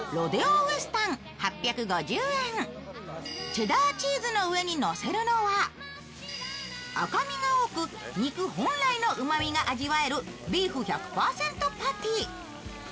チェダーチーズのうえに乗せるのは赤身が多く肉本来のうまみが味わえるビーフ１００％パティ。